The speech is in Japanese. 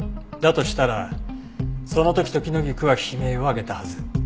としたらその時トキノギクは悲鳴を上げたはず。